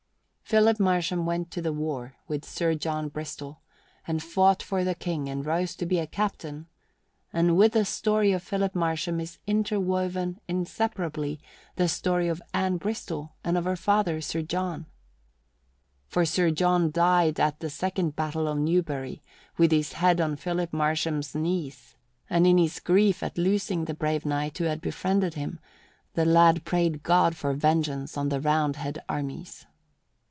Philip Marsham went to the war with Sir John Bristol, and fought for the King, and rose to be a captain; and with the story of Philip Marsham is interwoven inseparably the story of Anne Bristol and of her father, Sir John. For Sir John Bristol died at the second battle of Newbury with his head on Philip Marsham's knees; and in his grief at losing the brave knight who had befriended him, the lad prayed God for vengeance on the Roundhead armies.